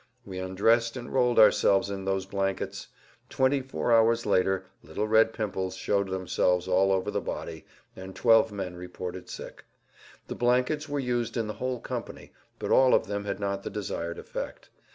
We undressed and rolled ourselves in those blankets. Twenty four hours later little red pimples showed themselves all over the body, and twelve men reported sick. The blankets were used in the whole company, but all of them had not the desired effect.